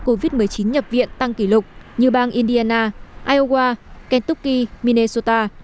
tỷ lệ bệnh nhân mắc covid một mươi chín nhập viện tăng kỷ lục như bang indiana iowa kentucky minnesota